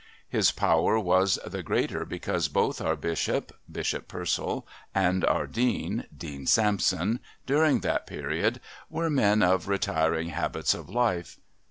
His power was the greater because both our Bishop (Bishop Purcell) and our Dean (Dean Sampson) during that period were men of retiring habits of life.